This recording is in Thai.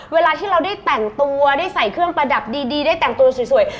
เวลาที่เราได้แต่งตัวได้ใส่เครื่องประดับดีได้แต่งตัวสวย